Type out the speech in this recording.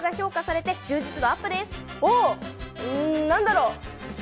お、何だろう？